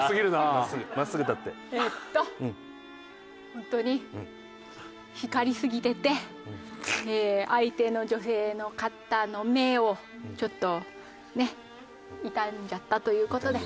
本当に光りすぎてて相手の女性の方の目をちょっとね痛んじゃったという事で。